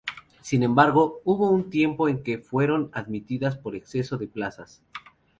Sin embargo, hubo un tiempo en que fueron admitidas por exceso de plazas.